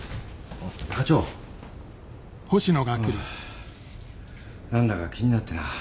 ああ何だか気になってな。